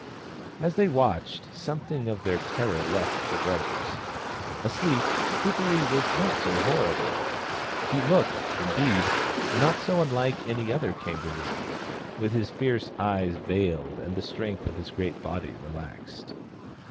As they watched, some thing of their terror left the brothers. Asleep, Kuperee was not so horrible ; he looked, indeed, not so unlike any other kangaroo, with his fierce eyes veiled and the strength of his great body relaxed.